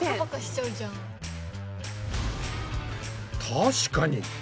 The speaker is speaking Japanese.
確かに。